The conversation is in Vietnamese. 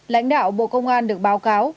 lãnh đạo bộ công an được báo cáo